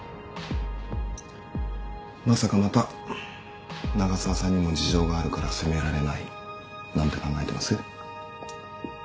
まさかまた長澤さんにも事情があるから責められないなんて考えてます？